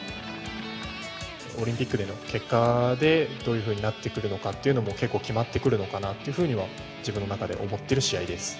オリンピックでの結果で、どういうふうになってくるのかというのも結構決まってくるのかなっていうふうには、自分の中で思っている試合です。